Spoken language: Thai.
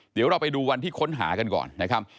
เดี๋ยวเราไปดูวันที่ค้นหากันก่อนนะครับ